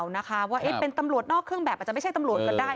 นะคะว่าเป็นตำรวจนอกเครื่องแบบอาจจะไม่ใช่ตำรวจก็ได้